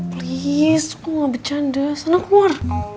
please aku gak bercanda sana keluar